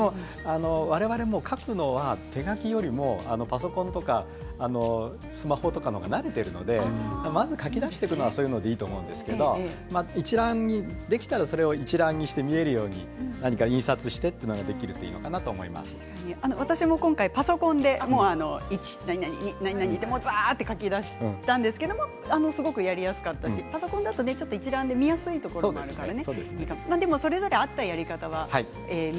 我々書くのは手書きよりもパソコンとかスマホとかの方が慣れているのでまず書き出していくのはそういうのでいいと思うんですけど一覧にできたらそれを一覧にして見られるように何か印刷してと私も今回パソコンでザーッと書き出したんですけどすごくやりやすかったしパソコンだと一覧で見やすいところもあるからね。